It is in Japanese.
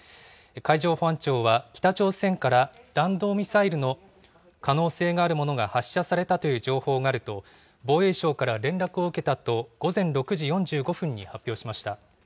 海上保安庁は、北朝鮮から弾道ミサイルの可能性があるものが発射されたという情報があると、防衛省から連絡を受けたと午前６時４５分に発表しました。